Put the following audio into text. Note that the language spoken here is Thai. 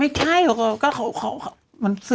ไม่ใช่เค้าขอมันสื่อ